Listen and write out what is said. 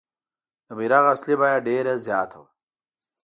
د بیرغ اصلي بیه ډېره زیاته وه.